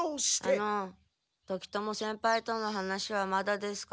あの時友先輩との話はまだですか？